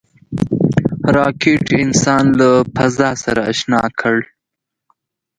راکټ انسان له فضا سره اشنا کړ